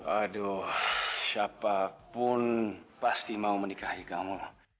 aduh siapapun pasti mau menikahi kamu lah